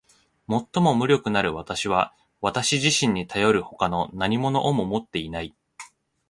最も無力なる私は私自身にたよる外の何物をも持っていない。